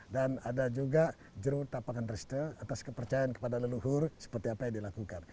dan ada juga jerutapakan dreshte atas kepercayaan kepada leluhur seperti apa yang dilakukan